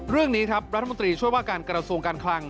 เรื่องนี้ครับรัฐมนตรีช่วยว่าการกระทรวงการคลัง